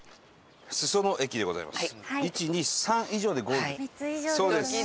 裾野駅でございます。